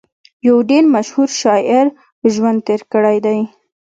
يو ډېر مشهور شاعر ژوند تېر کړی دی